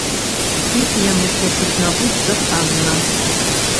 Іх яны хочуць набыць за танна.